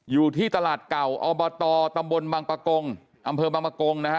อยู่ที่ตลาดเก่าอบตตำบลบังปะกงอำเภอบางประกงนะฮะ